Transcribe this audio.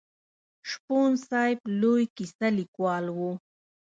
شپون صاحب لوی کیسه لیکوال و.